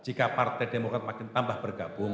jika partai demokrat makin tambah bergabung